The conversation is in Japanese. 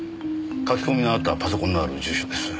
書き込みがあったパソコンのある住所です。